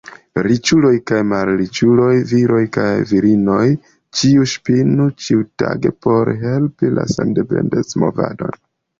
Riĉuloj kaj malriĉuloj, viroj kaj virinoj, ĉiuj ŝpinu ĉiutage por helpi la sendependecmovadon.